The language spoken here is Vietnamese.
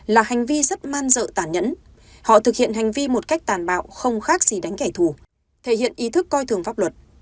là hành vi rất man dợ tản nhẫn họ thực hiện hành vi một cách tàn bạo không khác gì đánh kẻ thù thể hiện ý thức coi thường pháp luật